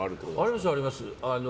あります、あります。